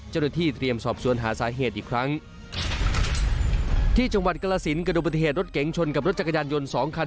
เจ้าหน้าที่เตรียมสอบสวนหาสาเหตุอีกครั้งที่จังหวัดกรสินเกิดดูปฏิเหตุรถเก๋งชนกับรถจักรยานยนต์สองคัน